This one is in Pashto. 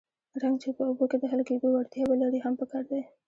رنګ چې په اوبو کې د حل کېدو وړتیا ولري هم پکار دی.